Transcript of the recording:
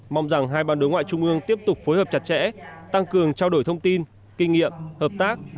mong rằng hai ban đối ngoại trung ương tiếp tục phối hợp chặt chẽ tăng cường trao đổi thông tin kinh nghiệm hợp tác